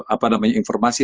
apa namanya informasi